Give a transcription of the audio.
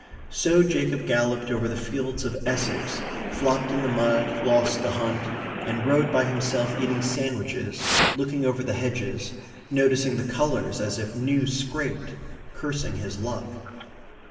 So Jacob galloped over the fields of Essex, flopped in the mud, lost the hunt, and rode by himself eating sandwiches, looking over the hedges, noticing the colours as if new scraped, cursing his luck.